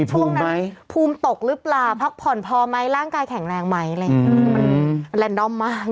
ภูมิตกหรือเปล่าพักผ่อนพอไหมร่างกายแข็งแรงไหมอะไรแรนดอมมาก